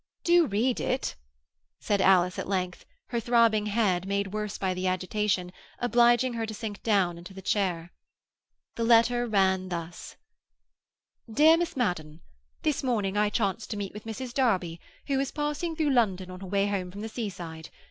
"Do read it!" said Alice at length, her throbbing head, made worse by the agitation, obliging her to sink down into the chair. The letter ran thus:— "DEAR Miss MADDEN,—This morning I chanced to meet with Mrs. Darby, who was passing through London on her way home from the seaside.